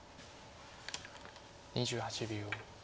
２８秒。